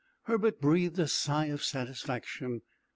Herbert breathed a sigh of satisfaction.